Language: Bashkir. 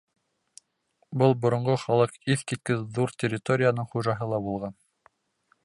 Был боронғо халыҡ иҫ киткес ҙур территорияның хужаһы ла булған.